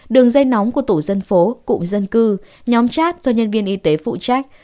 đường dây nóng của tổ dân phố cụm dân cư nhóm chat do nhân viên y tế phụ trách